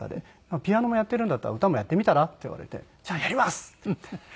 「ピアノもやっているんだったら歌もやってみたら？」って言われて「じゃあやります」って言って。